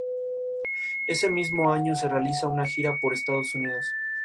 En ese mismo año realiza una gira por Estados Unidos.